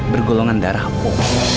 bergolongan darah o